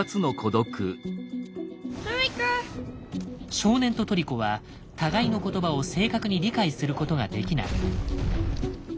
少年とトリコは互いの言葉を正確に理解することができない。